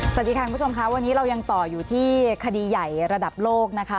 สวัสดีค่ะคุณผู้ชมค่ะวันนี้เรายังต่ออยู่ที่คดีใหญ่ระดับโลกนะคะ